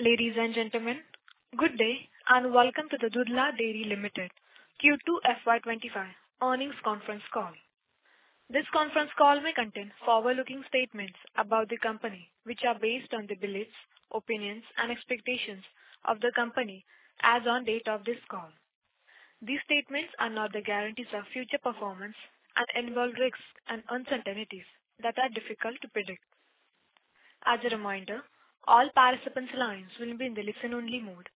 Ladies and gentlemen, good day and welcome to the Dodla Dairy Limited Q2 FY25 Earnings Conference Call. This Conference Call may contain forward-looking statements about the company, which are based on the beliefs, opinions, and expectations of the company as of the date of this call. These statements are not the guarantees of future performance and involve risks and uncertainties that are difficult to predict. As a reminder, all participants' lines will be in the listen-only mode,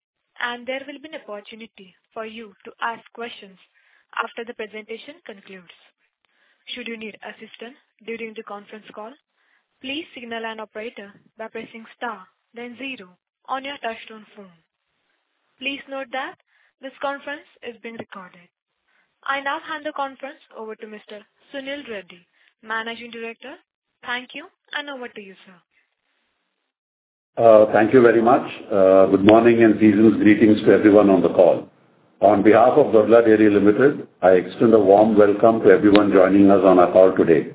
and there will be an opportunity for you to ask questions after the presentation concludes. Should you need assistance during the conference call, please signal an operator by pressing star, then zero on your touch-tone phone. Please note that this conference is being recorded. I now hand the conference over to Mr. Sunil Reddy, Managing Director. Thank you, and over to you, sir. Thank you very much. Good morning and seasonal greetings to everyone on the call. On behalf of Dodla Dairy Limited, I extend a warm welcome to everyone joining us on our Call today.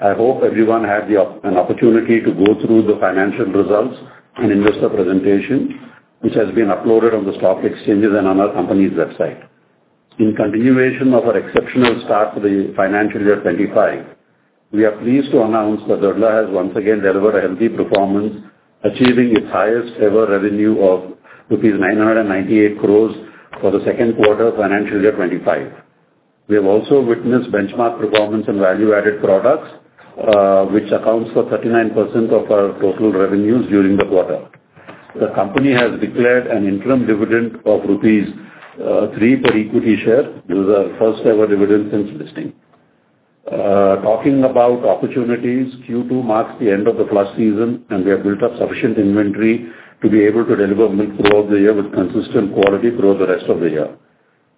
I hope everyone had an opportunity to go through the financial results and investor presentation, which has been uploaded on the stock exchanges and on our company's website. In continuation of our exceptional start for the financial year 2025, we are pleased to announce that Dodla has once again delivered a healthy performance, achieving its highest-ever revenue of rupees 998 crore for the Q2 of financial year 2025. We have also witnessed benchmark performance in value-added products, which accounts for 39% of our total revenues during the quarter. The company has declared an interim dividend of rupees 3 per equity share. This is our first-ever dividend since listing. Talking about opportunities, Q2 marks the end of the flush season, and we have built up sufficient inventory to be able to deliver milk throughout the year with consistent quality throughout the rest of the year.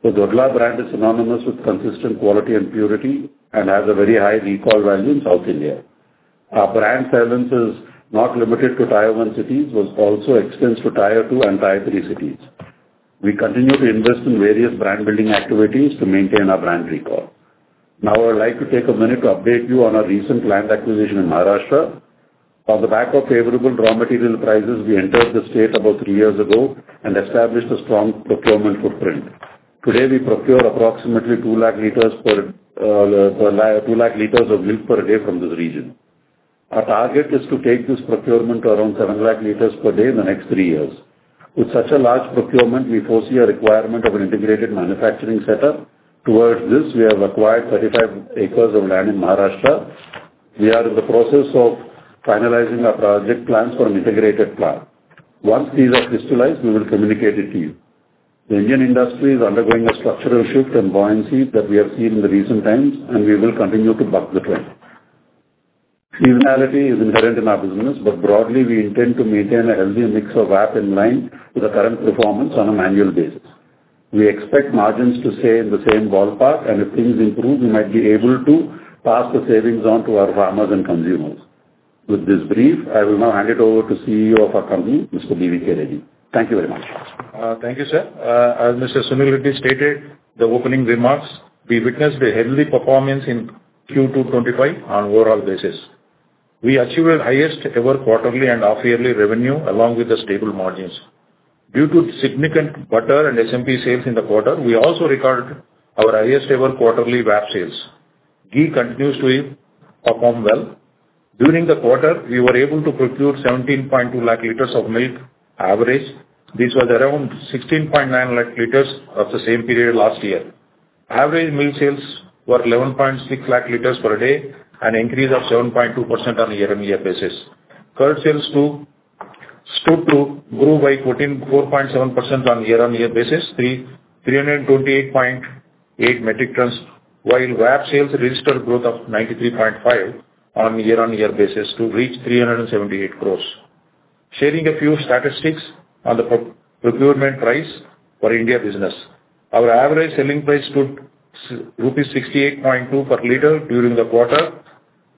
The Dodla brand is synonymous with consistent quality and purity and has a very high recall value in South India. Our brand presence is not limited to tier-one cities. It also extends to tier-two and tier-three cities. We continue to invest in various brand-building activities to maintain our brand recall. Now, I would like to take a minute to update you on our recent land acquisition in Maharashtra. On the back of favorable raw material prices, we entered the state about three years ago and established a strong procurement footprint. Today, we procure approximately 2 lakh liters of milk per day from this region. Our target is to take this procurement to around 7 lakh liters per day in the next three years. With such a large procurement, we foresee a requirement of an integrated manufacturing setup. Towards this, we have acquired 35 acres of land in Maharashtra. We are in the process of finalizing our project plans for an integrated plant. Once these are crystallized, we will communicate it to you. The Indian industry is undergoing a structural shift and buoyancy that we have seen in recent times, and we will continue to buck the trend. Seasonality is inherent in our business, but broadly, we intend to maintain a healthy mix of VAP and line for the current performance on an annual basis. We expect margins to stay in the same ballpark, and if things improve, we might be able to pass the savings on to our farmers and consumers. With this brief, I will now hand it over to the Chief Executive Officer of our company, Mr. B.V.K. Reddy. Thank you very much. Thank you, sir. As Mr. Sunil Reddy stated in the opening remarks, we witnessed a healthy performance in Q2 '25 on an overall basis. We achieved the highest-ever quarterly and half-yearly revenue, along with stable margins. Due to significant butter and SMP sales in the quarter, we also recorded our highest-ever quarterly VAP sales. Ghee continues to perform well. During the quarter, we were able to procure 17.2 lakh liters of milk average. This was around 16.9 lakh liters of the same period last year. Average milk sales were 11.6 lakh liters per day and increased by 7.2% on a year-on-year basis. Curd sales stood to grow by 14.7% on a year-on-year basis to 328.8 metric tons, while VAP sales registered growth of 93.5% on a year-on-year basis to reach 378 crore. Sharing a few statistics on the procurement price for India business, our average selling price stood rupees 68.2 per liter during the quarter.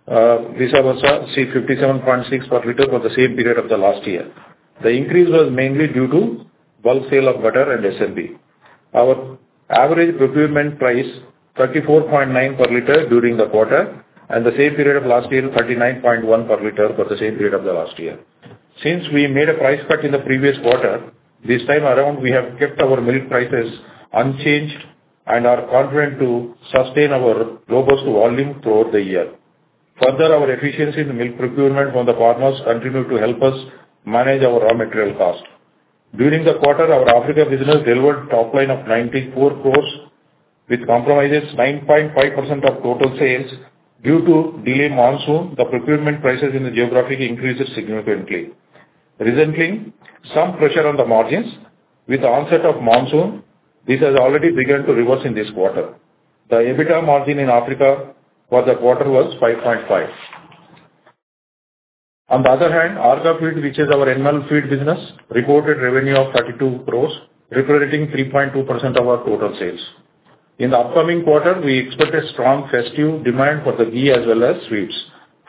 This was 57.6 per liter for the same period of last year. The increase was mainly due to bulk sale of butter and SMP. Our average procurement price was 34.9 per liter during the quarter, and 39.1 per liter for the same period of last year. Since we made a price cut in the previous quarter, this time around, we have kept our milk prices unchanged and are confident to sustain our robust volume throughout the year. Further, our efficiency in the milk procurement from the farmers continues to help us manage our raw material cost. During the quarter, our Africa business delivered a top line of 94 crore, comprising 9.5% of total sales. Due to the delayed monsoon, the procurement prices in the geographies increased significantly. Recently, some pressure on the margins with the onset of monsoon. This has already begun to reverse in this quarter. The EBITDA margin in Africa for the quarter was 5.5%. On the other hand, Orgafeed, which is our animal feed business, reported revenue of 32 cror, representing 3.2% of our total sales. In the upcoming quarter, we expect a strong festive demand for the ghee as well as sweets.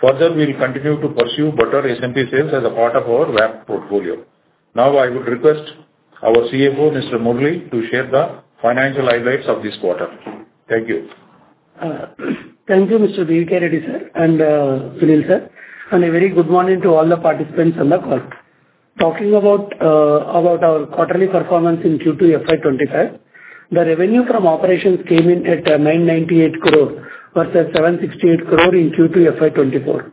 Further, we will continue to pursue butter and SMP sales as a part of our VAP portfolio. Now, I would request our CFO, Mr. Murali, to share the financial highlights of this quarter. Thank you. Thank you, Mr. B.V.K. Reddy, sir, and Sunil sir. A very good morning to all the participants on the call. Talking about our quarterly performance in Q2 FY25, the revenue from operations came in at 998 crore versus 768 crore in Q2 FY24.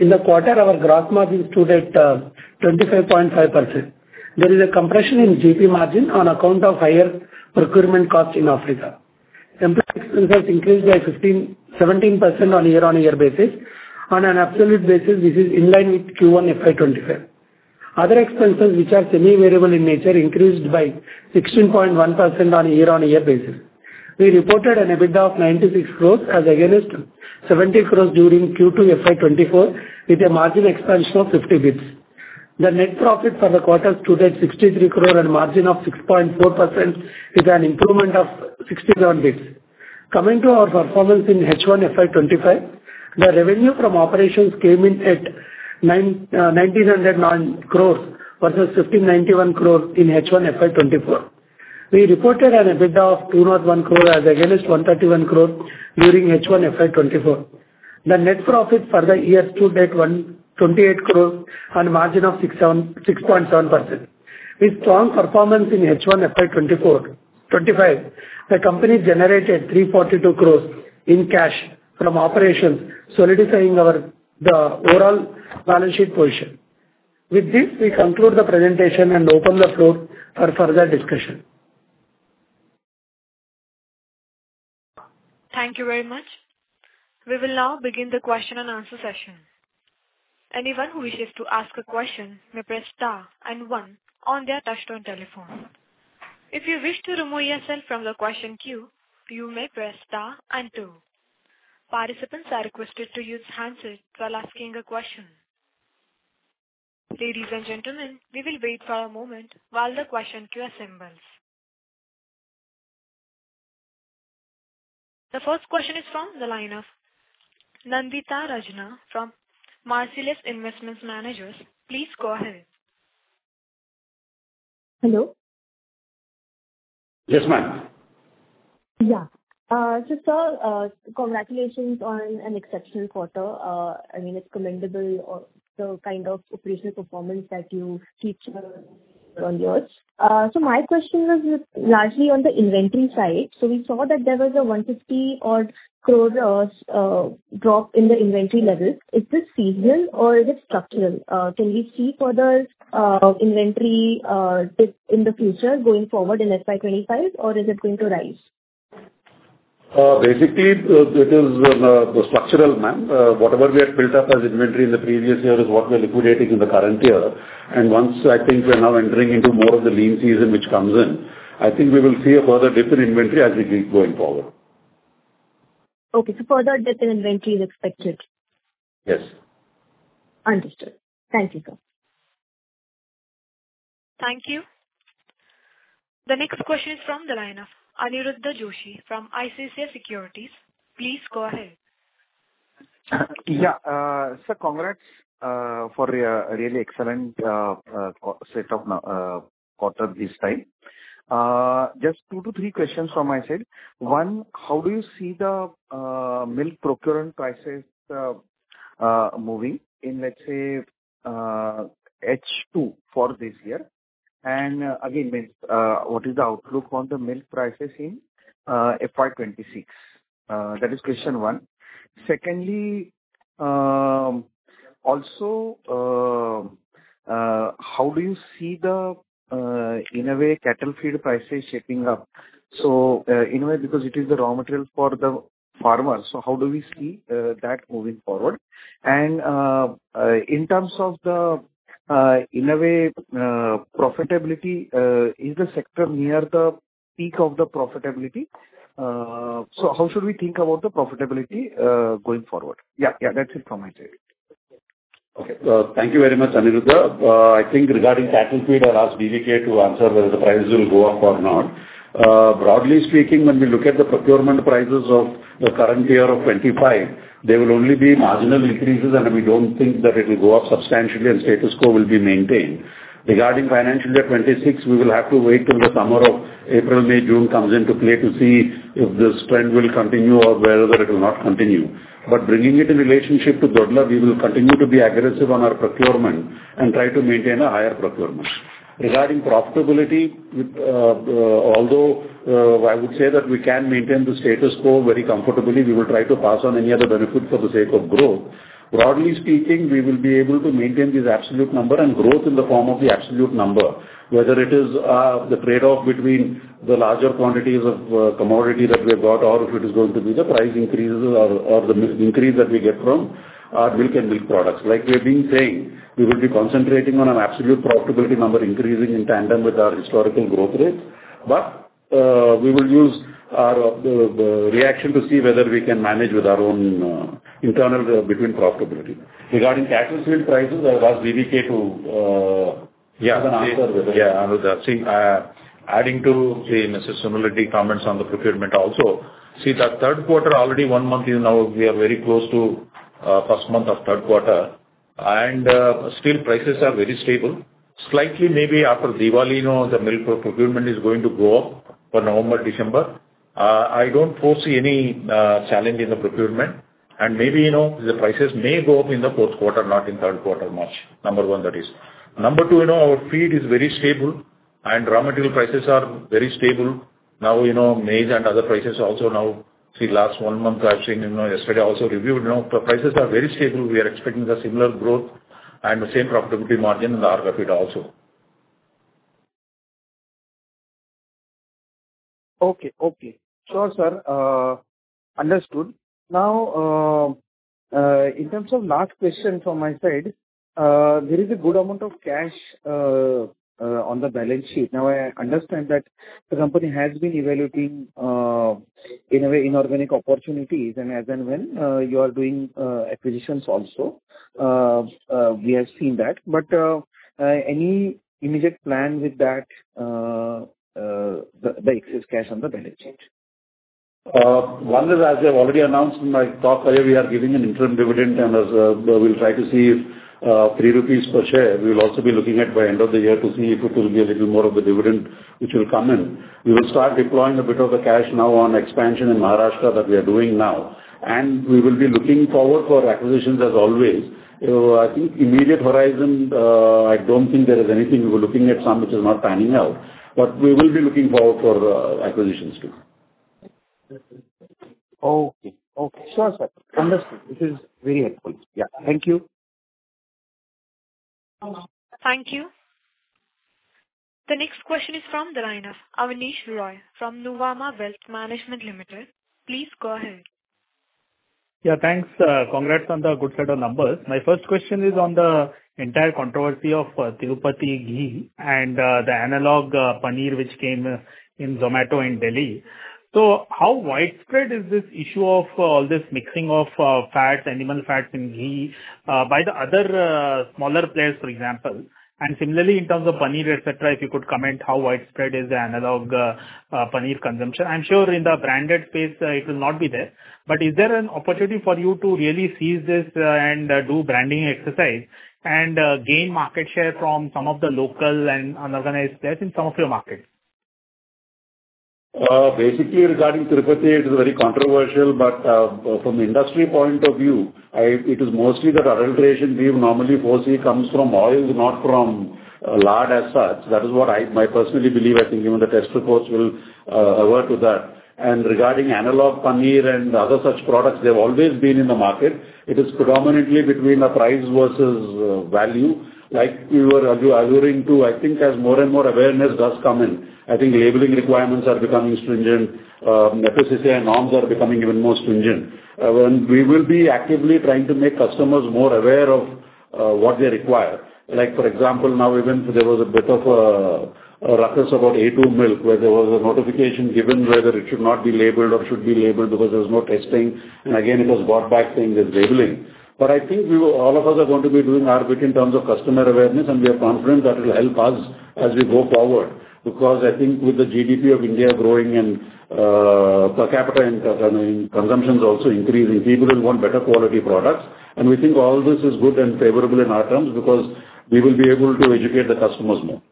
In the quarter, our gross margin stood at 25.5%. There is a compression in GP margin on account of higher procurement costs in Africa. Employee expenses increased by 17% on a year-on-year basis. On an absolute basis, this is in line with Q1 FY25. Other expenses, which are semi-variable in nature, increased by 16.1% on a year-on-year basis. We reported an EBITDA of 96 crore as against 70 crore during Q2 FY24, with a margin expansion of 50 basis points. The net profit for the quarter stood at 63 crore and a margin of 6.4%, with an improvement of 67 basis points. Coming to our performance in H1 FY25, the revenue from operations came in at ₹1,990 crore versus 1,591 crore in H1 FY24. We reported an EBITDA of 201 crore as against 131 crore during H1 FY24. The net profit for the year stood at 128 crore and a margin of 6.7%. With strong performance in H1 FY25, the company generated 342 crore in cash from operations, solidifying our overall balance sheet position. With this, we conclude the presentation and open the floor for further discussion. Thank you very much. We will now begin the question and answer session. Anyone who wishes to ask a question may press star and one on their touch-tone telephone. If you wish to remove yourself from the question queue, you may press star and two. Participants are requested to use handsets while asking a question. Ladies and gentlemen, we will wait for a moment while the question queue assembles. The first question is from the line of Nandita Rajhansa from Marcellus Investment Managers. Please go ahead. Hello. Yes, ma'am. Yeah. Just congratulations on an exceptional quarter. I mean, it's commendable, the kind of operational performance that you achieved on yours. So my question was largely on the inventory side. So we saw that there was a 150 crore drop in the inventory level. Is this seasonal or is it structural? Can we see further inventory in the future going forward in FY25, or is it going to rise? Basically, it is structural, ma'am. Whatever we had built up as inventory in the previous year is what we are liquidating in the current year, and once I think we are now entering into more of the lean season, which comes in, I think we will see a further dip in inventory as we keep going forward. Okay, so further dip in inventory is expected? Yes. Understood. Thank you, sir. Thank you. The next question is from the line of Aniruddha Joshi from ICICI Securities. Please go ahead. Yeah. Sir, congrats for a really excellent set of quarters this time. Just two to three questions from my side. One, how do you see the milk procurement prices moving in, let's say, H2 for this year? And again, what is the outlook on the milk prices in FY26? That is question one. Secondly, also, how do you see the, in a way, cattle feed prices shaping up? So, in a way, because it is the raw material for the farmers, so how do we see that moving forward? And in terms of the, in a way, profitability, is the sector near the peak of the profitability? So how should we think about the profitability going forward? Yeah, yeah, that's it from my side. Okay. Thank you very much, Aniruddha. I think regarding cattle feed, I'll ask B.V.K. Reddy to answer whether the prices will go up or not. Broadly speaking, when we look at the procurement prices of the current year of 2025, there will only be marginal increases, and we don't think that it will go up substantially, and status quo will be maintained. Regarding financial year 2026, we will have to wait till the summer of April, May, June comes into play to see if this trend will continue or whether it will not continue. But bringing it in relationship to Dodla, we will continue to be aggressive on our procurement and try to maintain a higher procurement. Regarding profitability, although I would say that we can maintain the status quo very comfortably, we will try to pass on any other benefit for the sake of growth. Broadly speaking, we will be able to maintain this absolute number and growth in the form of the absolute number, whether it is the trade-off between the larger quantities of commodity that we have got, or if it is going to be the price increases or the increase that we get from our milk and milk products. Like we have been saying, we will be concentrating on an absolute profitability number increasing in tandem with our historical growth rate. But we will use our reaction to see whether we can manage with our own internal profitability. Regarding cattle feed prices, I'll ask B.V.K. Reddy to give an answer whether it is. Yeah, Aniruddha. See, adding to Mr. Sunil Reddy's comments on the procurement also, see, the Q3 is already one month in. Now, we are very close to the first month of the Q3. And still, prices are very stable. Slightly, maybe after Diwali, the milk procurement is going to go up for November, December. I don't foresee any challenge in the procurement. And maybe the prices may go up in the Q4, not in the Q3, March. Number one, that is. Number two, our feed is very stable, and raw material prices are very stable. Now, maize and other prices also now, see, last one month, I've seen yesterday also reviewed. The prices are very stable. We are expecting the similar growth and the same profitability margin in the Orgafeed also. Okay, okay. Sure, sir. Understood. Now, in terms of last question from my side, there is a good amount of cash on the balance sheet. Now, I understand that the company has been evaluating, in a way, inorganic opportunities, and as and when you are doing acquisitions also. We have seen that. But any immediate plan with the excess cash on the balance sheet? One is, as I've already announced in my talk earlier, we are giving an interim dividend, and we'll try to see 3 rupees per share. We will also be looking at, by the end of the year, to see if it will be a little more of the dividend which will come in. We will start deploying a bit of the cash now on expansion in Maharashtra that we are doing now, and we will be looking forward for acquisitions as always. I think immediate horizon, I don't think there is anything we were looking at some which is not panning out, but we will be looking forward for acquisitions too. Okay, okay. Sure, sir. Understood. This is very helpful. Yeah. Thank you. Thank you. The next question is from the line of Abneesh Roy from Nuvama Wealth Management Limited. Please go ahead. Yeah, thanks. Congrats on the good set of numbers. My first question is on the entire controversy of Tirupati ghee and the analog paneer which came in Zomato in Delhi. So how widespread is this issue of all this mixing of fats, animal fats in ghee by the other smaller players, for example? And similarly, in terms of paneer, etc., if you could comment, how widespread is the analog paneer consumption? I'm sure in the branded space, it will not be there. But is there an opportunity for you to really seize this and do branding exercise and gain market share from some of the local and unorganized players in some of your markets? Basically, regarding Tirupati, it is very controversial. But from the industry point of view, it is mostly the adulteration we normally foresee comes from oil, not from lard as such. That is what I personally believe. I think even the test reports will work with that. And regarding analog paneer and other such products, they've always been in the market. It is predominantly between the price versus value. Like we were alluding to, I think as more and more awareness does come in, I think labeling requirements are becoming stringent. Necessary norms are becoming even more stringent. We will be actively trying to make customers more aware of what they require. For example, now even there was a bit of a ruckus about A2 milk where there was a notification given whether it should not be labeled or should be labeled because there was no testing. And again, it was brought back saying there's labeling. But I think all of us are going to be doing our bit in terms of customer awareness, and we are confident that it will help us as we go forward. Because I think with the GDP of India growing and per capita consumption also increasing, people will want better quality products. And we think all this is good and favorable in our terms because we will be able to educate the customers more.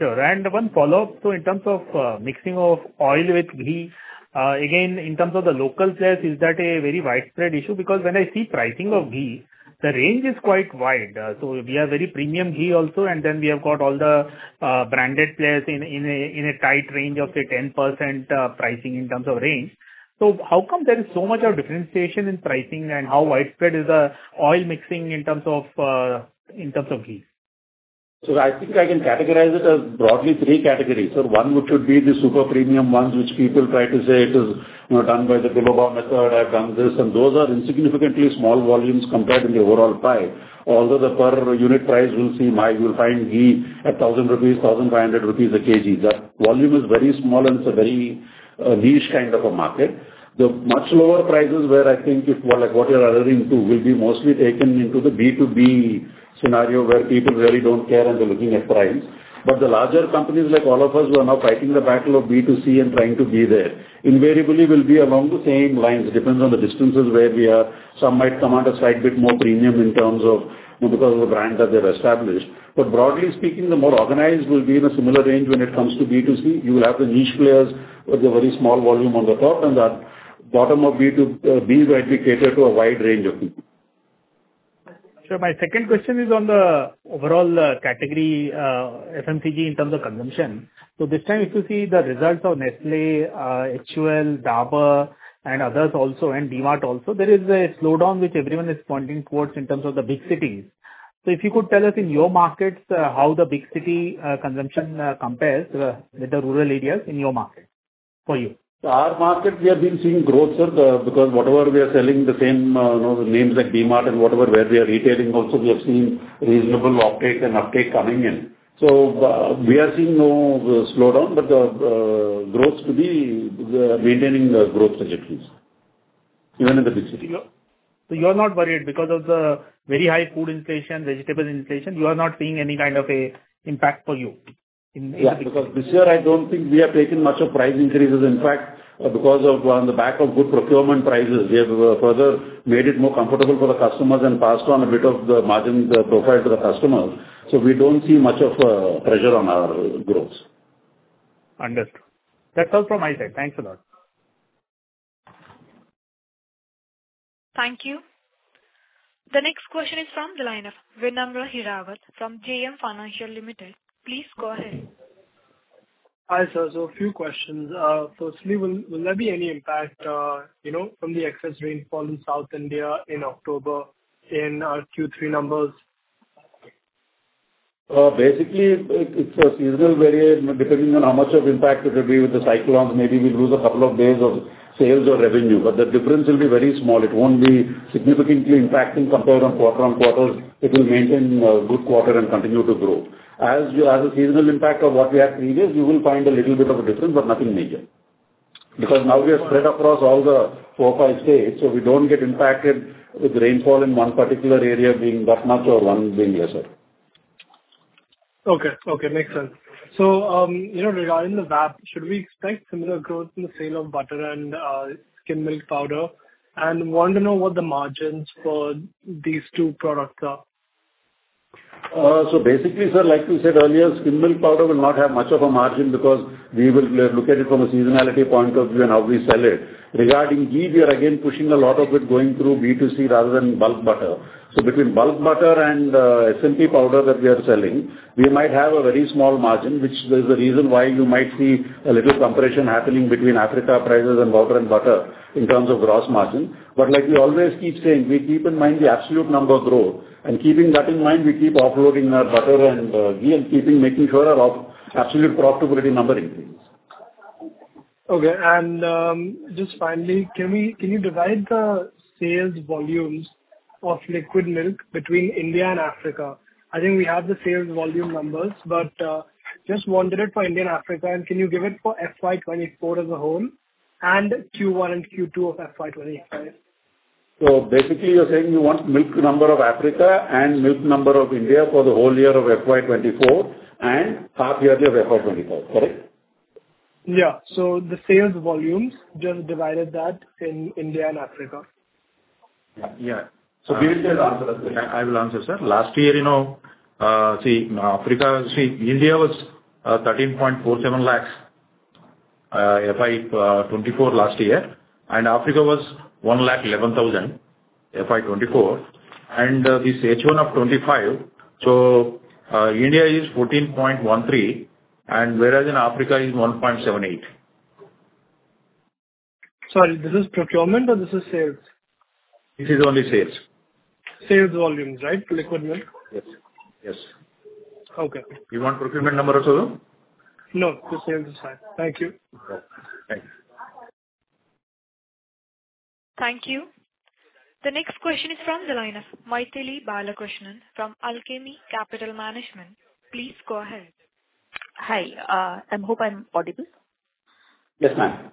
Sure. And one follow-up. So in terms of mixing of oil with ghee, again, in terms of the local players, is that a very widespread issue? Because when I see pricing of ghee, the range is quite wide. So we have very premium ghee also, and then we have got all the branded players in a tight range of, say, 10% pricing in terms of range. So how come there is so much differentiation in pricing and how widespread is the oil mixing in terms of ghee? I think I can categorize it as broadly three categories. One should be the super premium ones, which people try to say it is done by the Bilona method. I've done this. And those are insignificantly small volumes compared to the overall price. Although the per unit price, you will find ghee at 1,000 rupees, 1,500 rupees a kg. That volume is very small, and it's a very niche kind of a market. The much lower prices where I think what you're alluding to will be mostly taken into the B2B scenario where people really don't care and they're looking at price. But the larger companies like all of us who are now fighting the battle of B2C and trying to be there invariably will be along the same lines. It depends on the distances where we are. Some might come out a slight bit more premium in terms of because of the brand that they've established. But broadly speaking, the more organized will be in a similar range when it comes to B2C. You will have the niche players with the very small volume on the top, and the bottom of B2B might be catered to a wide range of people. Sir, my second question is on the overall category FMCG in terms of consumption. So this time, if you see the results of Nestlé, HUL, Dabur, and others also, and D-Mart also, there is a slowdown which everyone is pointing towards in terms of the big cities. So if you could tell us in your markets how the big city consumption compares with the rural areas in your market for you? So, our market, we have been seeing growth, sir, because whatever we are selling, the same names like D-Mart and whatever where we are retailing also, we have seen reasonable uptake and uptake coming in. So, we are seeing no slowdown, but the growth should be maintaining the growth trajectories even in the big cities. So you are not worried because of the very high food inflation, vegetable inflation, you are not seeing any kind of an impact for you in the big cities? Yeah, because this year, I don't think we have taken much of price increases. In fact, because of the back of good procurement prices, we have further made it more comfortable for the customers and passed on a bit of the margin profile to the customers. So we don't see much of a pressure on our growth. Understood. That's all from my side. Thanks a lot. Thank you. The next question is from the line of Vinamra Hirawat from JM Financial Limited. Please go ahead. Hi, sir. So a few questions. Firstly, will there be any impact from the excess rainfall in South India in October in our Q3 numbers? Basically, it's a seasonal variant depending on how much of impact it will be with the cyclones. Maybe we lose a couple of days of sales or revenue. But the difference will be very small. It won't be significantly impacting compared on quarter on quarter. It will maintain a good quarter and continue to grow. As a seasonal impact of what we had previous, you will find a little bit of a difference, but nothing major. Because now we are spread across all the four or five states, so we don't get impacted with rainfall in one particular area being that much or one being lesser. Okay, okay. Makes sense. So regarding the VAP, should we expect similar growth in the sale of butter and skim milk powder? And I want to know what the margins for these two products are. So basically, sir, like we said earlier, skim milk powder will not have much of a margin because we will look at it from a seasonality point of view and how we sell it. Regarding ghee, we are again pushing a lot of it going through B2C rather than bulk butter. So between bulk butter and SMP powder that we are selling, we might have a very small margin, which is the reason why you might see a little comparison happening between Africa prices and butter and butter in terms of gross margin. But like we always keep saying, we keep in mind the absolute number of growth. And keeping that in mind, we keep offloading our butter and ghee and keeping making sure our absolute profitability number increases. Okay. And just finally, can you divide the sales volumes of liquid milk between India and Africa? I think we have the sales volume numbers, but just wanted it for India and Africa. And can you give it for FY24 as a whole and Q1 and Q2 of FY25? So basically, you're saying you want milk procurement of Africa and milk procurement of India for the whole year of FY24 and half year of FY24, correct? Yeah, so the sales volumes, just divided that in India and Africa. Yeah. So give it to us. I will answer, sir. Last year, see, India was 13.47 lakhs FY24 last year. And Africa was 111,000 FY24. And the H1 of 25. So India is 14.13, and whereas in Africa is 1.78. Sorry, this is procurement or this is sales? This is only sales. Sales volumes, right? Liquid Milk? Yes. Yes. Okay. You want procurement number also though? No. The sales is fine. Thank you. Okay. Thank you. Thank you. The next question is from the line of Mythili Balakrishnan from Alchemy Capital Management. Please go ahead. Hi. I hope I'm audible. Yes, ma'am.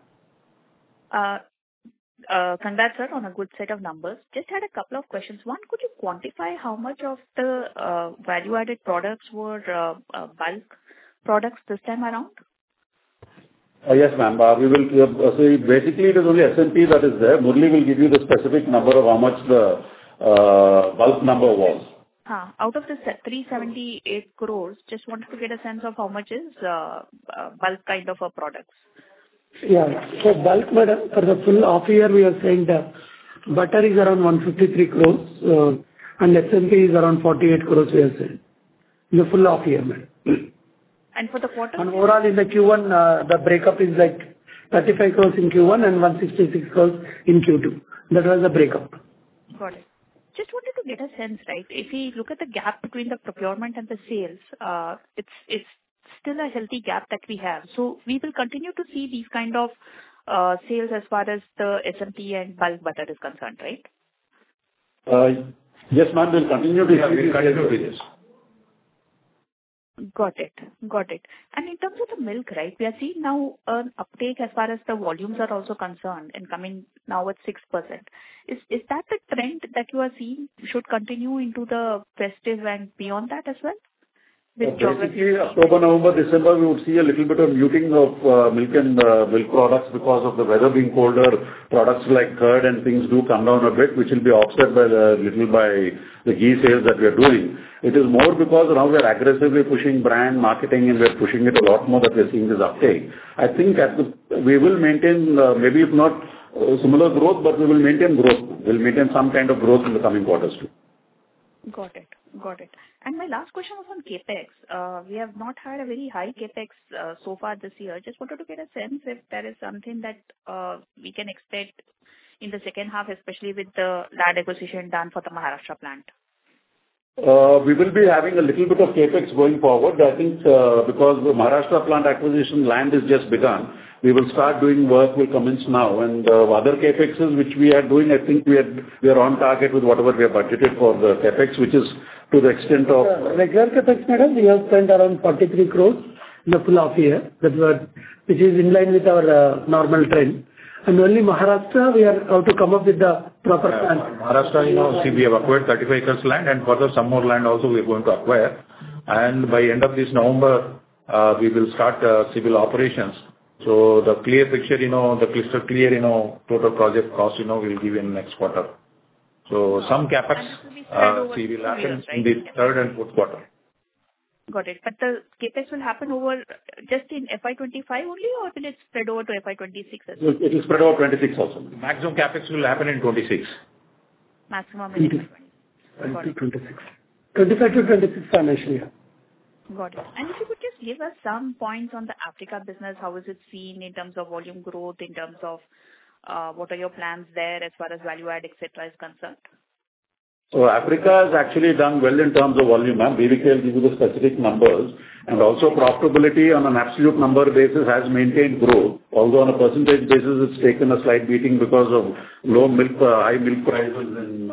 Congrats, sir, on a good set of numbers. Just had a couple of questions. One, could you quantify how much of the value-added products were bulk products this time around? Yes, ma'am. So basically, it is only SMP that is there. Murali will give you the specific number of how much the bulk number was. Out of the 378 crore, just wanted to get a sense of how much is bulk kind of products. Yeah. So bulk, madam, for the full year, we are saying that butter is around 153 crore, and SMP is around 48 crore, we are saying. The full year, madam. For the quarter? Overall, in the Q1, the breakup is like 35 crore in Q1 and 166 crore in Q2. That was the breakup. Got it. Just wanted to get a sense, right? If we look at the gap between the procurement and the sales, it's still a healthy gap that we have. So we will continue to see these kind of sales as far as the SMP and bulk butter is concerned, right? Yes, ma'am. We'll continue to see these kind of sales. Got it. Got it. And in terms of the milk, right, we are seeing now an uptake as far as the volumes are also concerned and coming now at 6%. Is that the trend that you are seeing should continue into the festive and beyond that as well? Basically, October, November, December, we would see a little bit of muting of milk and milk products because of the weather being colder, products like curd and things do come down a bit, which will be offset a little by the ghee sales that we are doing. It is more because now we are aggressively pushing brand marketing, and we are pushing it a lot more that we are seeing this uptake. I think we will maintain maybe not similar growth, but we will maintain growth. We'll maintain some kind of growth in the coming quarters too. Got it. Got it. And my last question was on CapEx. We have not had a very high CapEx so far this year. Just wanted to get a sense if there is something that we can expect in the second half, especially with the land acquisition done for the Maharashtra plant. We will be having a little bit of CapEx going forward. I think because the Maharashtra plant acquisition land is just begun, we will start doing work. We'll commence now. And the other CapExes which we are doing, I think we are on target with whatever we have budgeted for the CapEx, which is to the extent of. Regular CapEx, madam, we have spent around INR 43 crore in the full FY24, which is in line with our normal trend. And only Maharashtra, we are now to come up with the proper plan. Maharashtra, we have acquired 35 acres land, and further some more land also we are going to acquire. And by end of this November, we will start civil operations. So the clear picture, the crystal clear total project cost will give you in the next quarter. So some CapEx will happen in the third and Q4. Got it. But the CapEx will happen just in FY25 only, or will it spread over to FY26 as well? It will spread over 2026 also. Maximum CapEx will happen in 2026. Maximum in 2026. 2026 financially, yeah. Got it. And if you could just give us some points on the Africa business, how is it seen in terms of volume growth, in terms of what are your plans there as far as value-add, etc., is concerned? Africa has actually done well in terms of volume. BVK will give you the specific numbers. Also profitability on an absolute number basis has maintained growth. Although on a percentage basis, it's taken a slight beating because of low milk, high milk prices in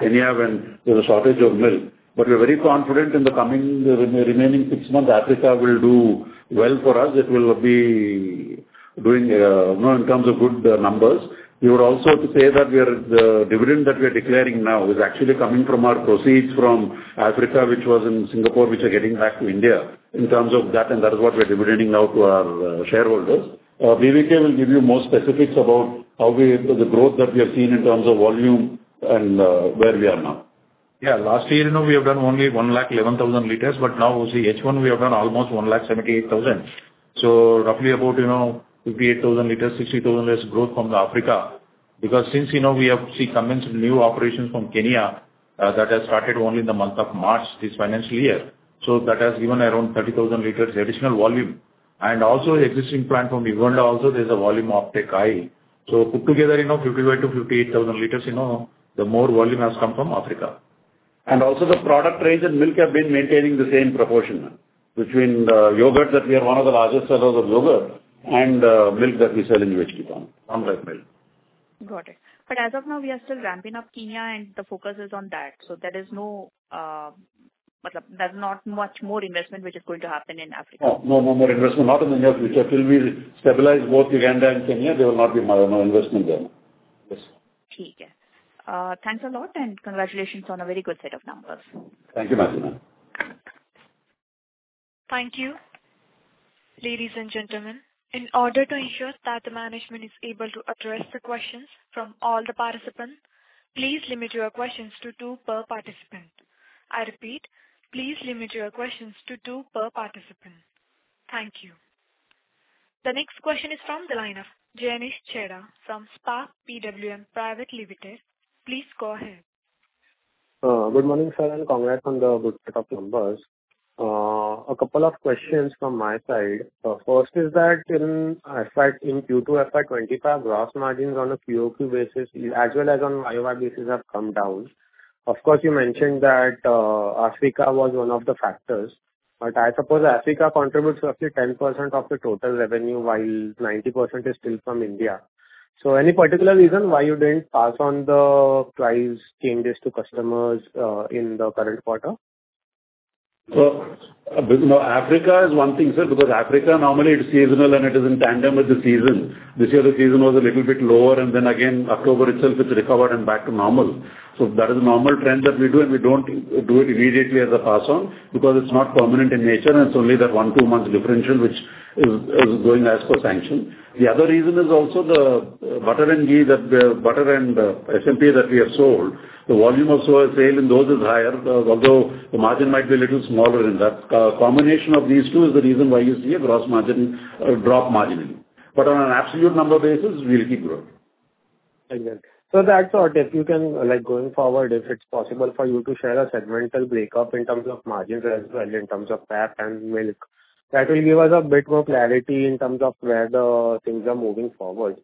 Kenya when there's a shortage of milk. We are very confident in the coming remaining six months Africa will do well for us. It will be doing in terms of good numbers. We would also say that the dividend that we are declaring now is actually coming from our proceeds from Africa, which was in Singapore, which are getting back to India in terms of that. That is what we are dividending out to our shareholders. BVK will give you more specifics about the growth that we have seen in terms of volume and where we are now. Yeah. Last year, we have done only 111,000 L, but now we see H1, we have done almost 178,000. So roughly about 58,000L, 60,000L growth from Africa. Because since we have seen new operations from Kenya that have started only in the month of March this financial year, so that has given around 30,000L additional volume. And also existing plant from Uganda, also there's a volume uptake high. So put together, 55,000L-58,000L, the more volume has come from Africa. Also, the product range and milk have been maintaining the same proportion between the curd that we are one of the largest sellers of curd and the milk that we sell in UHT form, farm-fresh milk. Got it. But as of now, we are still ramping up Kenya, and the focus is on that. So there is no much more investment which is going to happen in Africa. No, no more investment. Not in the near future. Till we stabilize both Uganda and Kenya, there will not be more investment there. Yes. Okay. Thanks a lot, and congratulations on a very good set of numbers. Thank you, Madam. Thank you. Ladies and gentlemen, in order to ensure that the management is able to address the questions from all the participants, please limit your questions to two per participant. I repeat, please limit your questions to two per participant. Thank you. The next question is from the line of Ganashyam from Spark PWM Private Limited. Please go ahead. Good morning, sir, and congrats on the good set of numbers. A couple of questions from my side. First is that in Q2 FY25, gross margins on a QOQ basis as well as on YOY basis have come down. Of course, you mentioned that Africa was one of the factors, but I suppose Africa contributes roughly 10% of the total revenue, while 90% is still from India. So any particular reason why you didn't pass on the price changes to customers in the current quarter? Africa is one thing, sir, because Africa normally it's seasonal, and it is in tandem with the season. This year, the season was a little bit lower, and then again, October itself, it recovered and back to normal. So that is a normal trend that we do, and we don't do it immediately as a pass-on because it's not permanent in nature, and it's only that one-two month differential which is going as per season. The other reason is also the butter and SMP that we have sold, the volume of sale in those is higher, although the margin might be a little smaller in that. Combination of these two is the reason why you see a gross margin drop marginally. But on an absolute number basis, we'll keep growing. Exactly. So that's all. If you can, going forward, if it's possible for you to share a segmental breakup in terms of margins as well, in terms of VAP and milk, that will give us a bit more clarity in terms of where the things are moving forward.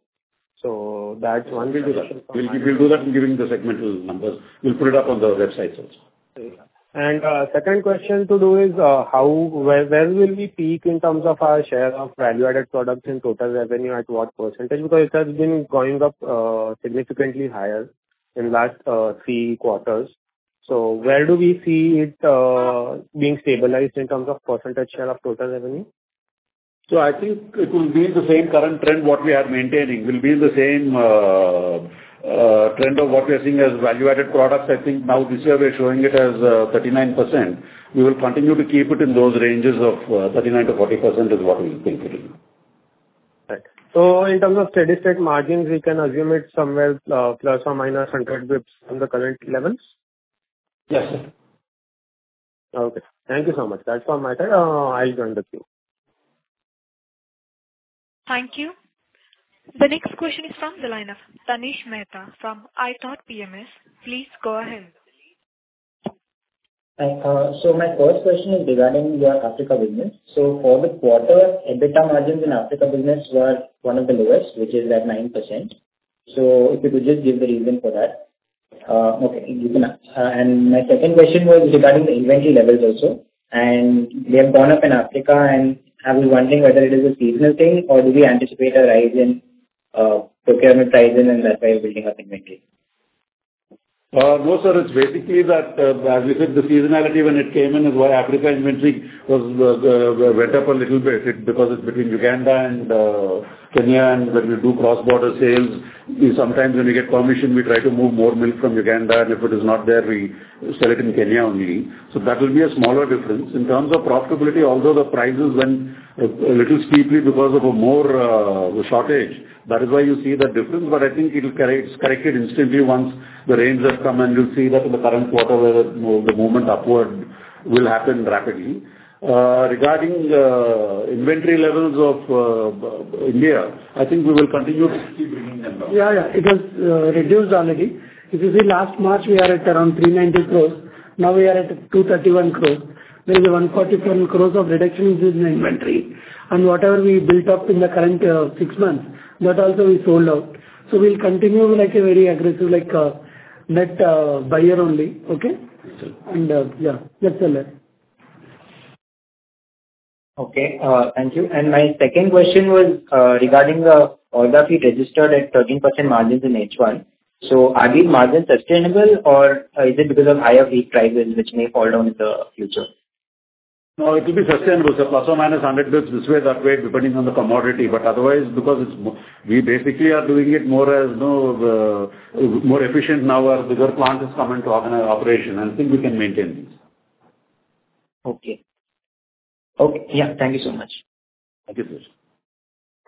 So that's one reason for. We'll do that and give you the segmental numbers. We'll put it up on the websites also. And second question to do is where will we peak in terms of our share of value-added products in total revenue at what percentage? Because it has been going up significantly higher in the last three quarters. So where do we see it being stabilized in terms of percentage share of total revenue? So I think it will be the same current trend what we are maintaining. We'll be in the same trend of what we are seeing as value-added products. I think now this year we're showing it as 39%. We will continue to keep it in those ranges of 39%-40% is what we think it is. Right. So in terms of steady-state margins, we can assume it's somewhere ±100 basis points on the current levels? Yes, sir. Okay. Thank you so much. That's all my side. I'll join the queue. Thank you. The next question is from the line of Tanish Mehta from iThought PMS. Please go ahead. My first question is regarding your Africa business. For the quarter, EBITDA margins in Africa business were one of the lowest, which is at 9%. If you could just give the reason for that. Okay. My second question was regarding the inventory levels also. We have gone up in Africa, and I was wondering whether it is a seasonal thing or do we anticipate a rise in procurement prices, and that's why we're building up inventory? No, sir. It's basically that, as we said, the seasonality when it came in is why Africa inventory went up a little bit because it's between Uganda and Kenya. And when we do cross-border sales, sometimes when we get permission, we try to move more milk from Uganda, and if it is not there, we sell it in Kenya only. So that will be a smaller difference. In terms of profitability, although the prices went up a little steeply because of a major shortage, that is why you see the difference. But I think it's corrected instantly once the rains have come, and you'll see that in the current quarter where the movement upward will happen rapidly. Regarding inventory levels of India, I think we will continue to keep bringing them down. Yeah, yeah. It was reduced already. If you see, last March, we were at around 390 crore. Now we are at 231 crore. There is a 147 crore of reduction in inventory. And whatever we built up in the current six months, that also we sold out. So we'll continue like a very aggressive net buyer only, okay? And yeah, that's the level. Okay. Thank you. And my second question was regarding the Orgafeed registered at 13% margins in H1. So are these margins sustainable, or is it because of higher wheat prices which may fall down in the future? No, it will be sustainable. So plus or minus 100 basis points this way, that way, depending on the commodity. But otherwise, because we basically are doing it more efficiently now as bigger plants are coming into operation, I think we can maintain these. Okay. Okay. Yeah. Thank you so much. Thank you, sir.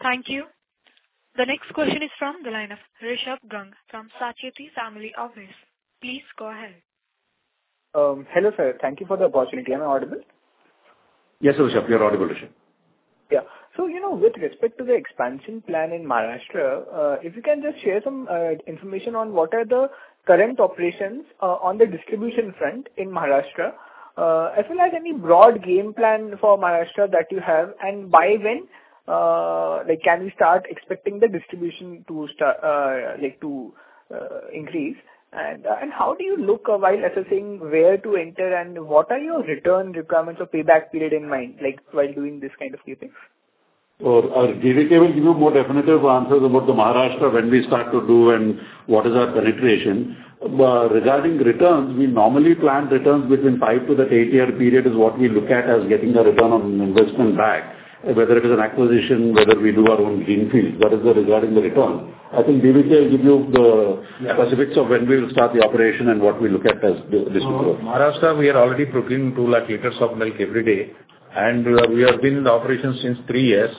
Thank you. The next question is from the line of Rishabh Gang from Sacheti Family Office. Please go ahead. Hello, sir. Thank you for the opportunity. Am I audible? Yes, Rishabh. You're audible, Rishabh. Yeah. So with respect to the expansion plan in Maharashtra, if you can just share some information on what are the current operations on the distribution front in Maharashtra, as well as any broad game plan for Maharashtra that you have, and by when can we start expecting the distribution to increase? And how do you look while assessing where to enter, and what are your return requirements or payback period in mind while doing this kind of keeping? BVK will give you more definitive answers about the Maharashtra when we start to do and what is our penetration. Regarding returns, we normally plan returns between five to the eight-year period is what we look at as getting a return on investment back, whether it is an acquisition, whether we do our own greenfield. That is regarding the return. I think BVK will give you the specifics of when we will start the operation and what we look at as distribution. Maharashtra, we are already procuring two lakh liters of milk every day. We have been in operations since three years.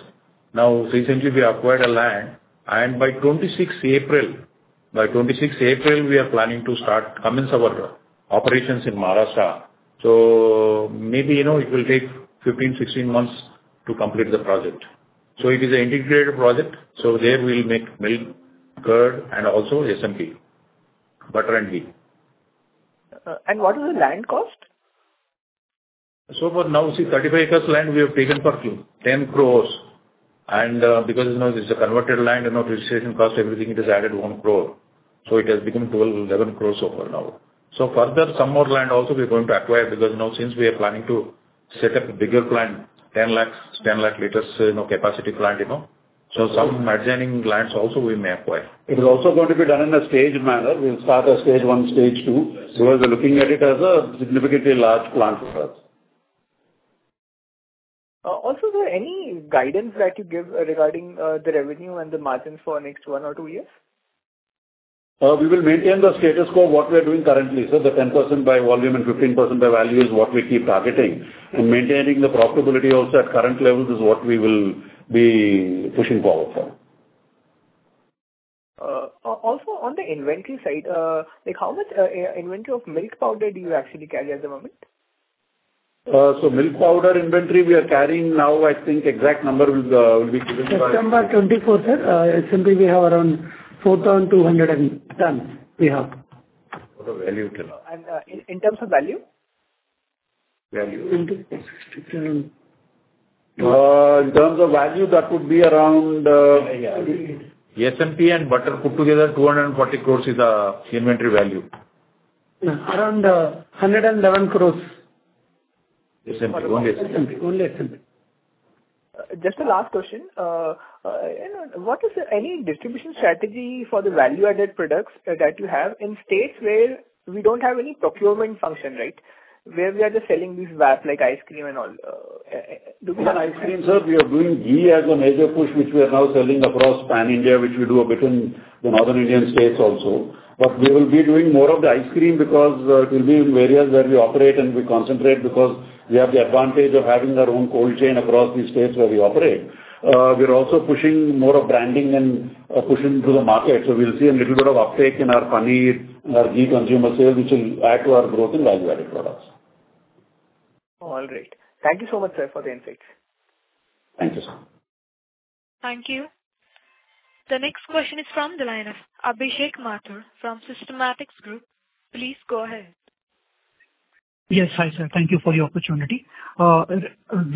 Now, recently, we acquired land. By 26 April, we are planning to start commencing our operations in Maharashtra. Maybe it will take 15-16 months to complete the project. It is an integrated project. There we'll make milk, curd, and also SMP, butter and whey. What is the land cost? So for now, see, 35 acres land we have taken for 10 cror. And because it's a converted land, registration cost, everything, it has added one crore. So it has become 11 crore-12 crore so far now. So further, some more land also we are going to acquire because now since we are planning to set up a bigger plant, 10 lakh liters capacity plant. So some adjoining lands also we may acquire. It is also going to be done in a staged manner. We'll start at stage one, stage two. We are looking at it as a significantly large plant for us. Also, is there any guidance that you give regarding the revenue and the margins for next one or two years? We will maintain the status quo of what we are doing currently. So the 10% by volume and 15% by value is what we keep targeting, and maintaining the profitability also at current levels is what we will be pushing forward for. Also, on the inventory side, how much inventory of milk powder do you actually carry at the moment? Milk powder inventory we are carrying now, I think exact number will be given by. September 24, sir, SMP we have around 4,200 tons. We have. What a value to know. In terms of value? Value? In terms of value, that would be around. SMP and butter put together, 240 crore is the inventory value. Around 111 crore. SMP, only SMP. Only SMP. Just a last question. What is any distribution strategy for the value-added products that you have in states where we don't have any procurement function, right? Where we are just selling these VAP like ice cream and all. Do we have? On ice cream, sir, we are doing ghee as an add-on push, which we are now selling across Pan-India, which we do a bit in the northern Indian states also. But we will be doing more of the ice cream because it will be in areas where we operate and we concentrate because we have the advantage of having our own cold chain across these states where we operate. We're also pushing more of branding and pushing to the market. So we'll see a little bit of uptake in our paneer, our ghee consumer sales, which will add to our growth in value-added products. All right. Thank you so much, sir, for the insights. Thank you, sir. Thank you. The next question is from the line of Abhishek Mathur from Systematix Group. Please go ahead. Yes, hi, sir. Thank you for the opportunity.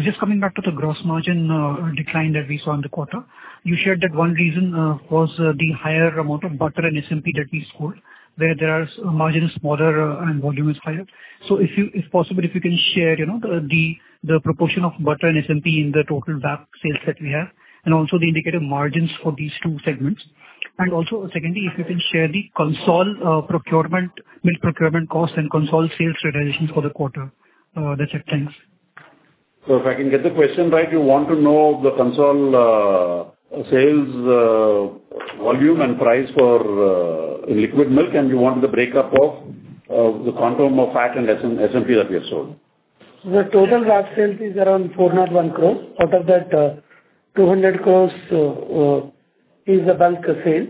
Just coming back to the gross margin decline that we saw in the quarter, you shared that one reason was the higher amount of butter and SMP that we sold, where their margin is smaller and volume is higher. So if possible, if you can share the proportion of butter and SMP in the total VAP sales that we have, and also the indicative margins for these two segments. And also, secondly, if you can share the consolidated procurement, milk procurement costs, and consolidated sales realizations for the quarter. That's it. Thanks. So if I can get the question right, you want to know the consolidated sales volume and price for liquid milk, and you want the breakup of the quantum of fat and SMP that we have sold. The total VAP sales is around 401 crore. Out of that, 200 crore is the bulk sale,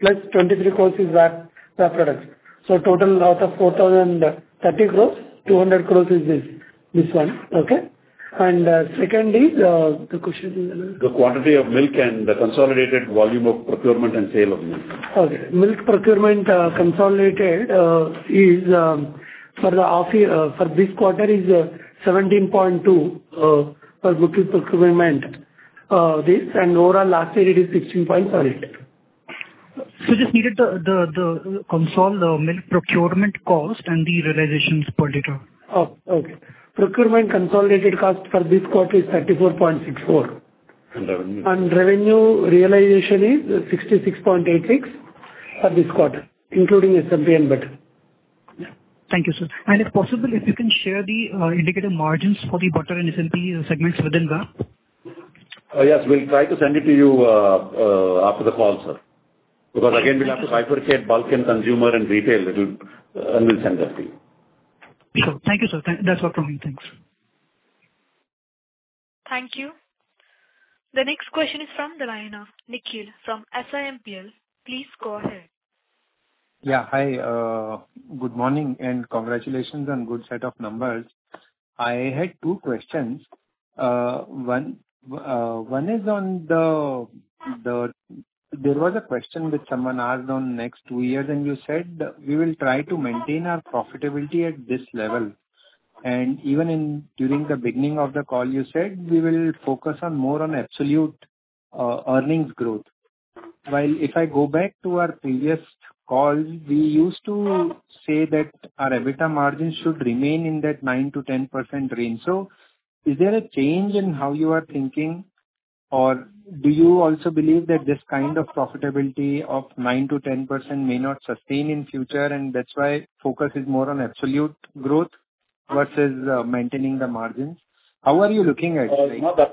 plus 23 crore is VAP products. So total out of 4030 crore, 200 crore is this one. Okay. And secondly, the question is another. The quantity of milk and the consolidated volume of procurement and sale of milk. Okay. Milk procurement consolidated is for this quarter 17.2 for booking procurement, and overall, last year, it is 16.8. Just needed the consolidated milk procurement cost and the realizations per liter. Oh, okay. Procurement consolidated cost for this quarter is 34.64 crore. And revenue realization is 66.86 crore for this quarter, including SMP and butter. Thank you, sir. And if possible, if you can share the indicative margins for the butter and SMP segments within VAP. Yes, we'll try to send it to you after the call, sir. Because again, we'll have to bifurcate bulk and consumer and retail, and we'll send that to you. Sure. Thank you, sir. That's all from me. Thanks. Thank you. The next question is from the line of Nikhil from SiMPL. Please go ahead. Yeah. Hi. Good morning and congratulations on good set of numbers. I had two questions. One is on the there was a question that someone asked on next two years, and you said, "We will try to maintain our profitability at this level." And even during the beginning of the call, you said, "We will focus more on absolute earnings growth." While if I go back to our previous calls, we used to say that our EBITDA margin should remain in that 9%-10% range. So is there a change in how you are thinking, or do you also believe that this kind of profitability of 9%-10% may not sustain in future, and that's why focus is more on absolute growth versus maintaining the margins? How are you looking at it?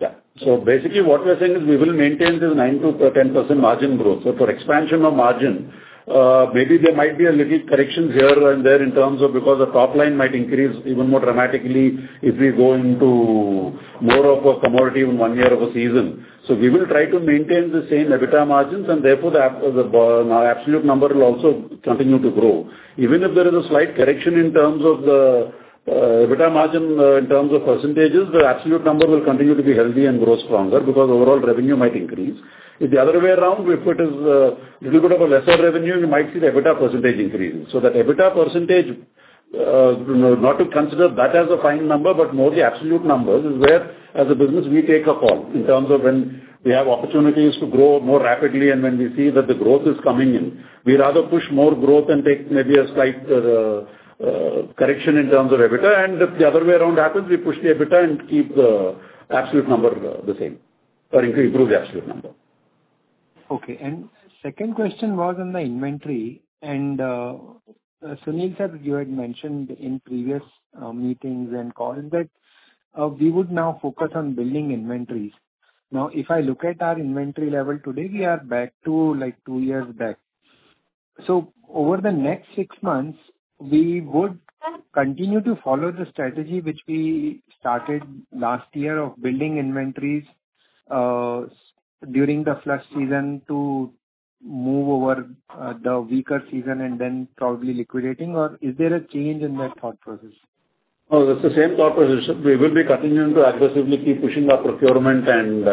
Yeah. So basically, what we are saying is we will maintain this 9%-10% margin growth. So for expansion of margin, maybe there might be a little corrections here and there in terms of because the top line might increase even more dramatically if we go into more of a commodity in one year of a season. So we will try to maintain the same EBITDA margins, and therefore the absolute number will also continue to grow. Even if there is a slight correction in terms of the EBITDA margin in terms of percentages, the absolute number will continue to be healthy and grow stronger because overall revenue might increase. If the other way around, if it is a little bit of a lesser revenue, you might see the EBITDA percentage increase. So that EBITDA percentage, not to consider that as a final number, but more the absolute numbers is where, as a business, we take a call in terms of when we have opportunities to grow more rapidly, and when we see that the growth is coming in, we rather push more growth and take maybe a slight correction in terms of EBITDA, and if the other way around happens, we push the EBITDA and keep the absolute number the same or improve the absolute number. and the second question was on the inventory. Sunil said that you had mentioned in previous meetings and calls that we would now focus on building inventories. Now, if I look at our inventory level today, we are back to like two years back, so over the next six months, we would continue to follow the strategy which we started last year of building inventories during the flush season to move over the lean season and then probably liquidating, or is there a change in that thought process? Oh, that's the same thought process. We will be continuing to aggressively keep pushing our procurement and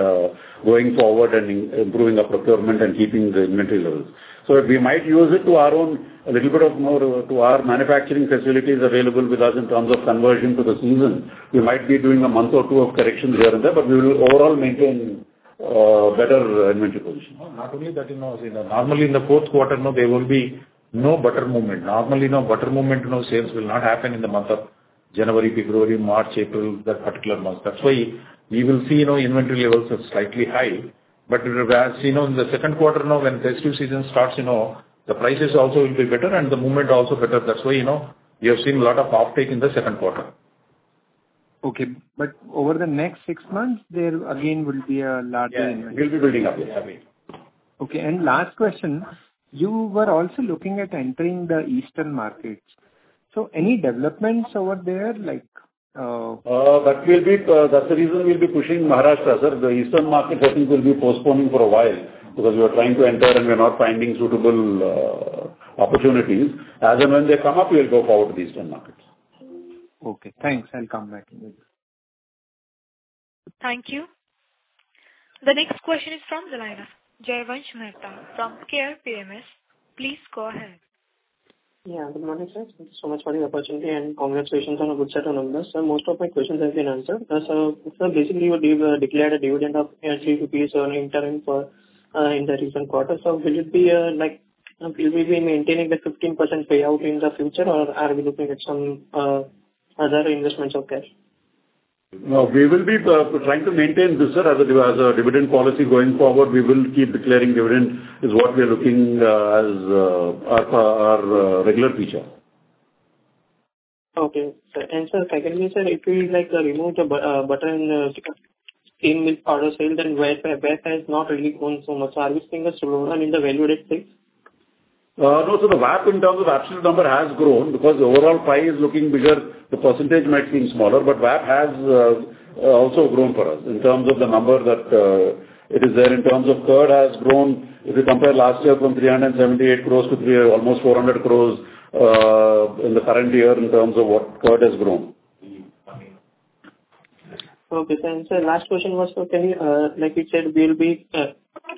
going forward and improving our procurement and keeping the inventory levels. So we might use it to our own a little bit of more to our manufacturing facilities available with us in terms of conversion to the season. We might be doing a month or two of corrections here and there, but we will overall maintain better inventory position. Not only that, normally in the Q4, there will be no butter movement. Normally, no butter movement, no sales will not happen in the month of January, February, March, April, that particular month. That's why we will see inventory levels are slightly high. But as you know, in the Q2, when festive season starts, the prices also will be better and the movement also better. That's why you have seen a lot of uptake in the Q2. Okay. But over the next six months, there again will be a larger inventory. We'll be building up, yes. Okay. And last question, you were also looking at entering the eastern markets. So any developments over there? That will be, that's the reason we'll be pushing Maharashtra. The eastern market, I think, will be postponing for a while because we are trying to enter and we're not finding suitable opportunities. As and when they come up, we'll go forward to the eastern markets. Okay. Thanks. I'll come back. Thank you. The next question is from the line of Jayvansh Mehta from Care PMS. Please go ahead. Yeah. Good morning, sir. Thank you so much for the opportunity and congratulations on a good set of numbers. So most of my questions have been answered. So sir, basically, you declared a dividend of 3 rupees interim for in the recent quarter. So will it be like will we be maintaining the 15% payout in the future, or are we looking at some other investments of cash? No, we will be trying to maintain this, sir, as a dividend policy going forward. We will keep declaring dividend is what we are looking as our regular feature. Okay. And sir, can you say if we like remove the butter and skimmed milk powder sales, then what has not really grown so much? Are we seeing a slowdown in the value-added sales? No. So the VAP in terms of absolute number has grown because overall price is looking bigger. The percentage might seem smaller, but VAP has also grown for us in terms of the number that it is there in terms of curd has grown. If you compare last year from 378 crore to almost 400 crore in the current year in terms of what curd has grown. Okay. And sir, last question was, like you said, we will be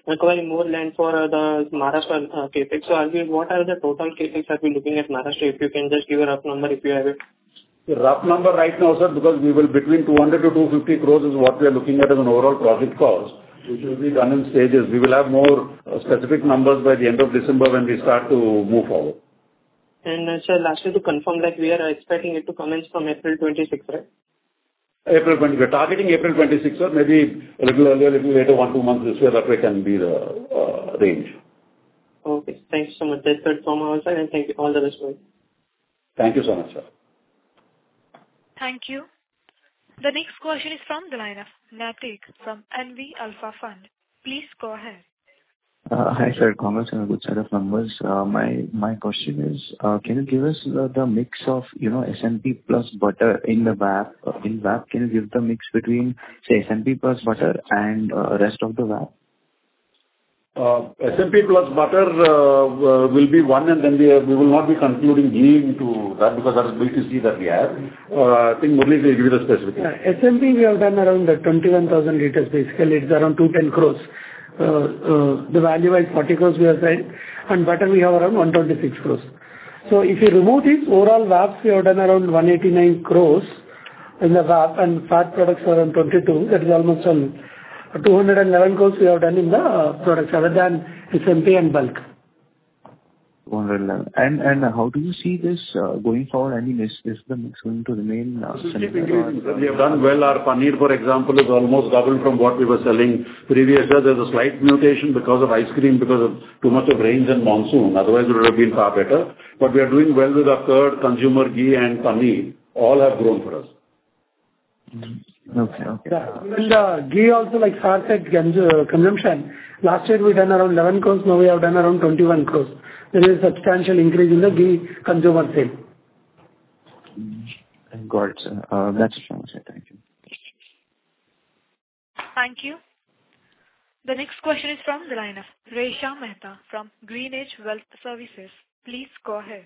acquiring more land for the Maharashtra capex. So what are the total capex have been looking at Maharashtra? If you can just give a rough number, if you have it. The rough number right now, sir, because between 200 crore-250 crore is what we are looking at as an overall capex, which will be done in stages. We will have more specific numbers by the end of December when we start to move forward. Sir, lastly, to confirm, we are expecting it to commence from April 26, right? We're targeting April 26, sir. Maybe a little earlier, a little later, one or two months this way, that way can be the range. Okay. Thank you so much. That's good from our side, and thank you. All the best, sir. Thank you so much, sir. Thank you. The next question is from the line of Naitik from NV Alpha Fund. Please go ahead. Hi, sir, congrats on a good set of numbers. My question is, can you give us the mix of SMP plus butter in the VAP? Can you give the mix between, say, SMP plus butter and rest of the VAP? SMP plus butter will be one, and then we will not be including lean to that because that is basically what we have. I think Murali can give you the specifics. SMP, we have done around 21,000L. Basically, it's around 210 crore. The value-added 40 crore we have said, and butter we have around 126 crore. So if you remove these overall VAPs, we have done around 189 crore in the VAP, and fat products around 22. That is almost 211 crore we have done in the products other than SMP and bulk. How do you see this going forward? I mean, is the mix going to remain? We have done well. Our paneer, for example, is almost doubled from what we were selling previously. There's a slight moderation because of ice cream, because of too much of rains and monsoon. Otherwise, it would have been far better. But we are doing well with our curd, consumer, ghee, and paneer. All have grown for us. And ghee also, like, fat consumption. Last year, we done around 11 crore. Now we have done around 21 crore. There is a substantial increase in the ghee consumer sale. Thank God. That's a change. Thank you. Thank you. The next question is from the line of Resha Mehta from GreenEdge Wealth Services. Please go ahead.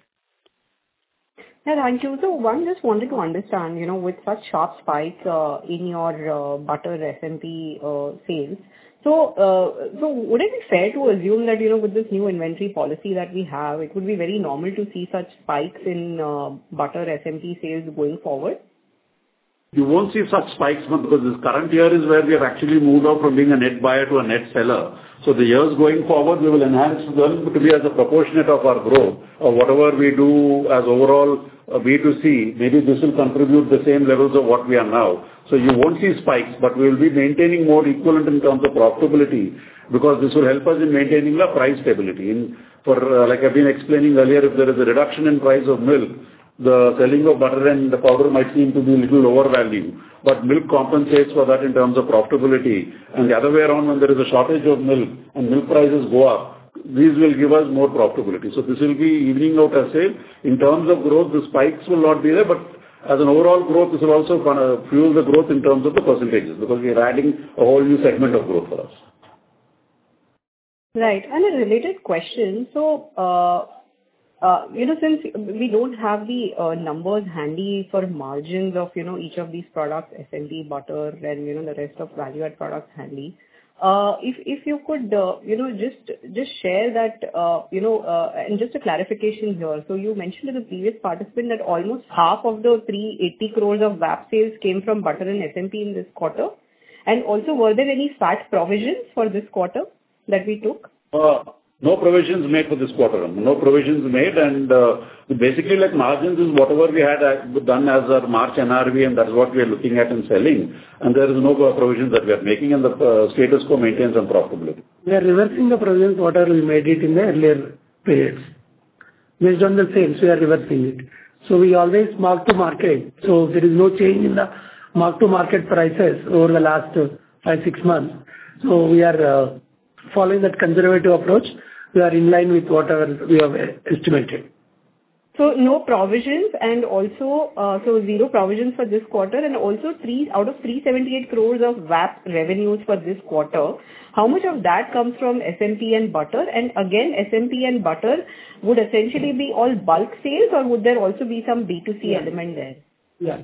Yeah. Thank you. So one, just wanted to understand with such sharp spikes in your butter SMP sales. So would it be fair to assume that with this new inventory policy that we have, it would be very normal to see such spikes in butter SMP sales going forward? You won't see such spikes because this current year is where we have actually moved out from being a net buyer to a net seller. So the years going forward, we will enhance to be as a proportionate of our growth or whatever we do as overall B2C. Maybe this will contribute the same levels of what we are now. So you won't see spikes, but we will be maintaining more equivalent in terms of profitability because this will help us in maintaining the price stability. Like I've been explaining earlier, if there is a reduction in price of milk, the selling of butter and the powder might seem to be a little overvalued. But milk compensates for that in terms of profitability. And the other way around, when there is a shortage of milk and milk prices go up, these will give us more profitability. This will be evening out our sales. In terms of growth, the spikes will not be there, but as an overall growth, this will also fuel the growth in terms of the percentages because we are adding a whole new segment of growth for us. Right. And a related question. So since we don't have the numbers handy for margins of each of these products, SMP, butter, and the rest of value-added products handy, if you could just share that and just a clarification here. So you mentioned in the previous quarter that almost half of the 380 crore of VAP sales came from butter and SMP in this quarter. And also, were there any bad provisions for this quarter that we took? No provisions made for this quarter. No provisions made. Basically, margins is whatever we had done as our March NRV, and that's what we are looking at and selling. There is no provisions that we are making, and the status quo maintains on profitability. We are reversing the provisions, whatever we made it in the earlier periods. Based on the sales, we are reversing it. So we always mark-to-market. So there is no change in the mark-to-market prices over the last five, six months. So we are following that conservative approach. We are in line with whatever we have estimated. No provisions and also zero provisions for this quarter and also out of 378 crore of VAP revenues for this quarter, how much of that comes from SMP and butter? And again, SMP and butter would essentially be all bulk sales, or would there also be some B2C element there? Yeah.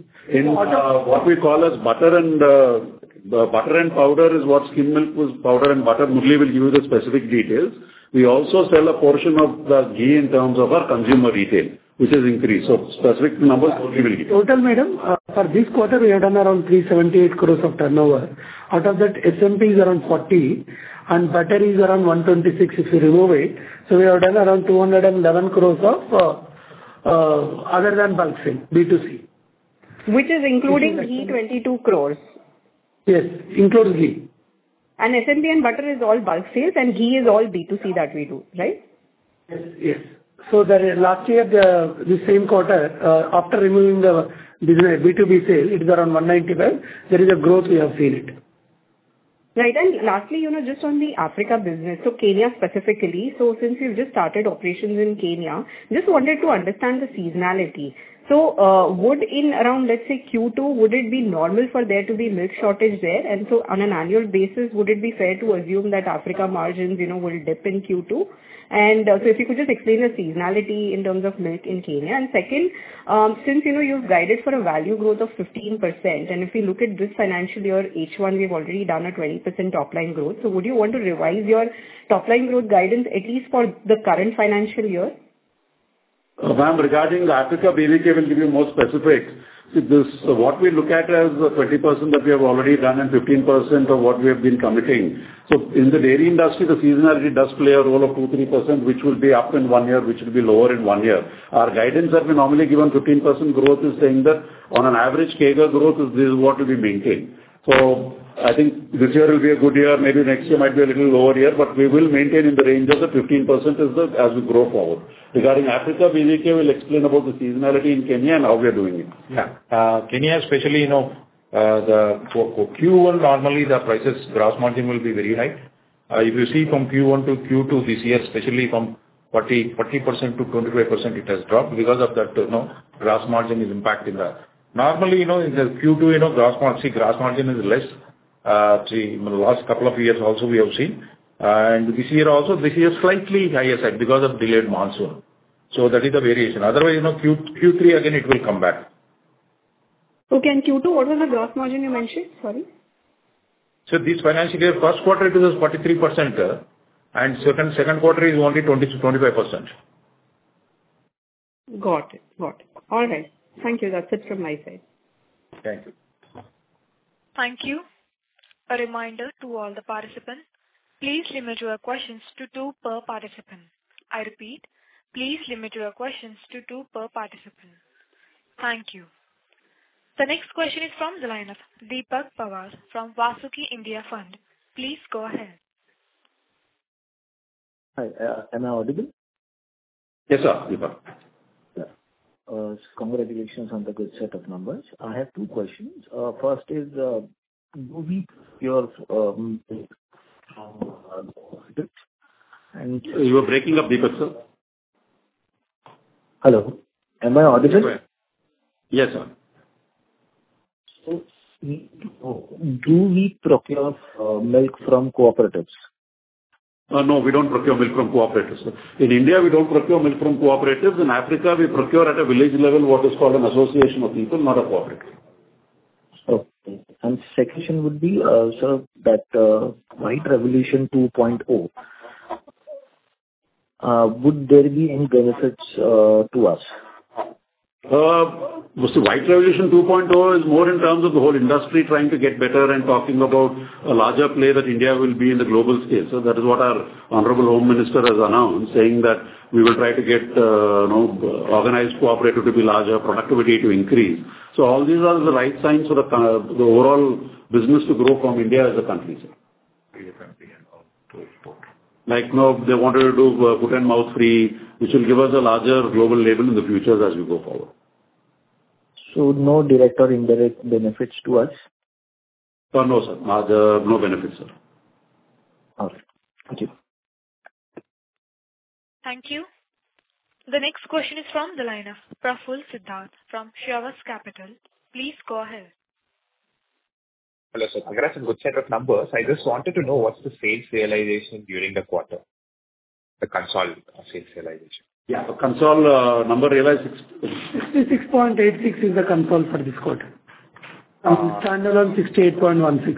What we call as butter and powder is what Skimmed Milk Powder and butter. Murali will give you the specific details. We also sell a portion of the ghee in terms of our consumer retail, which has increased, so specific numbers we will give. Total, madam, for this quarter, we have done around 378 crore of turnover. Out of that, S&P is around 40, and butter is around 126 if you remove it. So we have done around 211 crore of other than bulk sales, B2C. Which is including ghee, 22 crore? Yes. Includes ghee. SMP and butter is all bulk sales, and ghee is all B2C that we do, right? Yes. Yes. So last year, the same quarter, after removing the B2B sale, it is around 195. There is a growth we have seen it. Right. And lastly, just on the Africa business, so Kenya specifically, so since you've just started operations in Kenya, just wanted to understand the seasonality. So would it be around, let's say, Q2, would it be normal for there to be milk shortage there? And so on an annual basis, would it be fair to assume that Africa margins will dip in Q2? And so if you could just explain the seasonality in terms of milk in Kenya. And second, since you've guided for a value growth of 15%, and if we look at this financial year, H1, we've already done a 20% top-line growth. So would you want to revise your top-line growth guidance at least for the current financial year? Regarding the Africa, B.V.K. will give you more specifics. What we look at as 20% that we have already done and 15% of what we have been committing. So in the dairy industry, the seasonality does play a role of 2-3%, which will be up in one year, which will be lower in one year. Our guidance that we normally give on 15% growth is saying that on an average CAGR growth, this is what will be maintained. So I think this year will be a good year. Maybe next year might be a little lower year, but we will maintain in the range of the 15% as we grow forward. Regarding Africa, B.V.K., we'll explain about the seasonality in Kenya and how we are doing it. Yeah. Kenya especially, Q1 normally the prices, gross margin will be very high. If you see from Q1 to Q2 this year, especially from 40%-25%, it has dropped because of that. Gross margin is impacting that. Normally in Q2, see, gross margin is less. The last couple of years also we have seen and this year also, this year slightly higher side because of delayed monsoon. So that is the variation. Otherwise, Q3 again, it will come back. Okay. And Q2, what was the gross margin you mentioned? Sorry. This financial year, first quarter it was 43%, and Q2 is only 25%. Got it. Got it. All right. Thank you. That's it from my side. Thank you. Thank you. A reminder to all the participants, please limit your questions to two per participant. I repeat, please limit your questions to two per participant. Thank you. The next question is from the line of Deepak Pawar from Vasuki India Fund. Please go ahead. Hi. Am I audible? Yes, sir. Deepak. Congratulations on the good set of numbers. I have two questions. First is, do we procure milk from cooperatives? You were breaking up, Deepak, sir. Hello. Am I audible? Yes, sir. So do we procure milk from cooperatives? No, we don't procure milk from cooperatives. In India, we don't procure milk from cooperatives. In Africa, we procure at a village level, what is called an association of people, not a cooperative. Okay. And second question would be, sir, that White Revolution 2.0, would there be any benefits to us? White Revolution 2.0 is more in terms of the whole industry trying to get better and talking about a larger play that India will be in the global scale. So that is what our Honorable Home Minister has announced, saying that we will try to get organized cooperative to be larger, productivity to increase. So all these are the right signs for the overall business to grow from India as a country, sir. Like they wanted to do foot-and-mouth free, which will give us a larger global scale in the future as we go forward. So no direct or indirect benefits to us? No, sir. No benefits, sir. All right. Thank you. Thank you. The next question is from the line of Praful Siddharth from Shravas Capital. Please go ahead. Hello, sir. Congrats on good set of numbers. I just wanted to know what's the sales realization during the quarter, the consol sales realization? Yeah. The consol number realized. 66.86 is the consol for this quarter. Standalone, 68.16.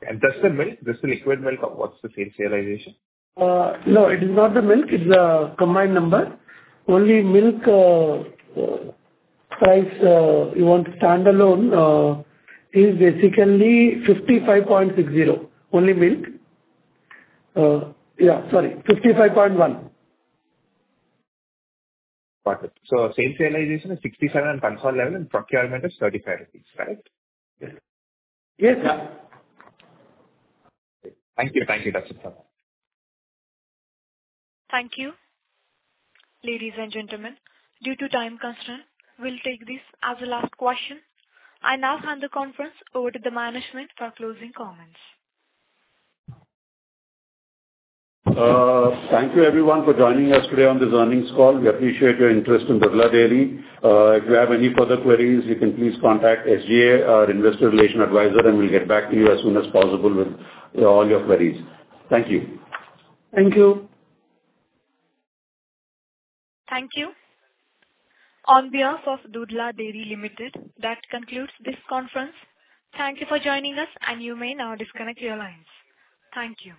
That's the milk? That's the liquid milk? What's the sales realization? No, it is not the milk. It's a combined number. Only milk price you want stand alone is basically 55.60. Only milk. Yeah. Sorry. 55.1. Got it. So sales realization is 67 on consol level and procurement is 35 crore rupees, correct? Yes. Yes. Yeah. Thank you. Thank you, Thank you. Ladies and gentlemen, due to time concern, we'll take this as a last question. I now hand the conference over to the management for closing comments. Thank you, everyone, for joining us today on this earnings call. We appreciate your interest in Dodla Dairy. If you have any further queries, you can please contact SGA, our investor relations advisor, and we'll get back to you as soon as possible with all your queries. Thank you. Thank you. Thank you. On behalf of Dodla Dairy Limited, that concludes this conference. Thank you for joining us, and you may now disconnect your lines. Thank you.